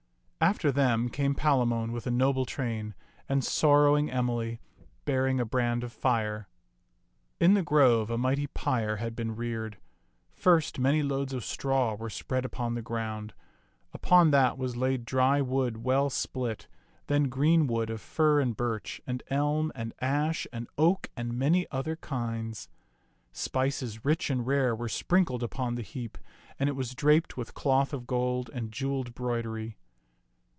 After them came Palamon with a noble train, and sorrowing Emily, bearing a brand of fire. In the grove a mighty pyre had been reared. First, many loads of straw were spread upon the ground. Upon that was laid dry wood well split, then green wood of fir and birch and elm and ash and oak and many other kinds. Spices rich and rare were sprinkled upon the heap, and it was draped with cloth of gold and jeweled broidery.